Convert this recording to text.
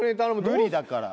無理だから。